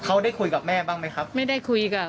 เขาได้คุยกับแม่บ้างไหมครับไม่ได้คุยกับ